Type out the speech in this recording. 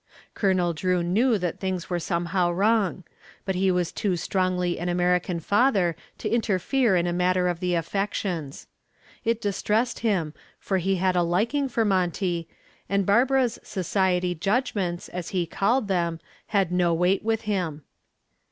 Colonel Drew knew that things were somehow wrong; but he was too strongly an American father to interfere in a matter of the affections. It distressed him, for he had a liking for Monty, and Barbara's "society judgments," as he called them, had no weight with him.